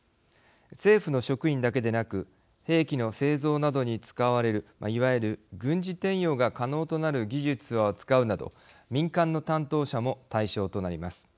政府の職員だけでなく兵器の製造などに使われるいわゆる軍事転用が可能となる技術を扱うなど民間の担当者も対象となります。